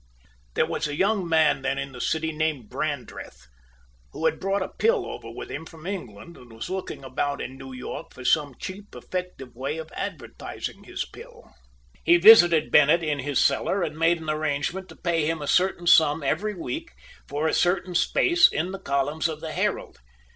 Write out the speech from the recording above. There was a young man then in the city named Brandreth, who had brought a pill over with him from England, and was looking about in New York for some cheap, effective way of advertising his pill. He visited Bennett in his cellar and made an arrangement to pay him a certain sum every week for a certain space in the columns of the "Herald."